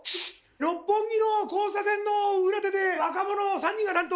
六本木の交差点の裏手で若者３人が乱闘。